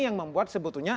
yang membuat sebetulnya